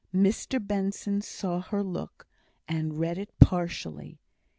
Mr Benson saw her look, and read it partially.